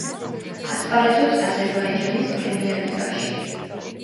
ასპარეზობს აზერბაიჯანის პრემიერლიგაში.